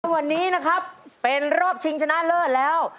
วันนี้นะครับเป็นรอบชิงชนะเลิศแล้ว